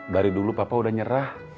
dari dulu papa udah nyerah